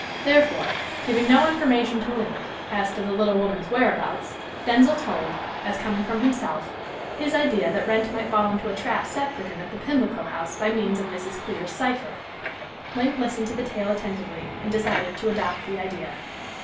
Therefore, giving no information to Link as to the little woman's whereabouts, Denzil told as coming from himself his idea that Wrent might fall into a trap set for him in the Pimlico House by means of Mrs. Clear's cypher. Link listened to the tale attentively, and decided to adopt the idea.